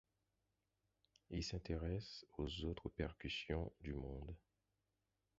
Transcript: Il s’intéresse aux autres percussions du monde.